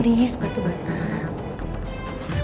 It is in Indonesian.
please batu batang